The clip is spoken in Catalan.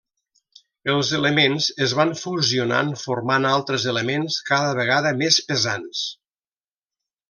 Els elements es van fusionant formant altres elements cada vegada més pesants.